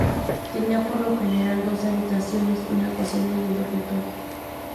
Tenían por lo general dos habitaciones, una cocina y un dormitorio.